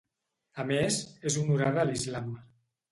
A més, és honorada a l'Islam.